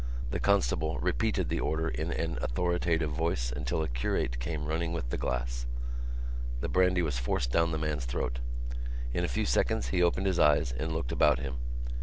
The constable repeated the order in an authoritative voice until a curate came running with the glass. The brandy was forced down the man's throat. In a few seconds he opened his eyes and looked about him.